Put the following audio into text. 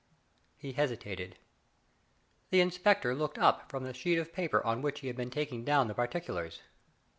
He hesitated. The inspector looked up from the sheet of paper on which he had been taking down the particulars.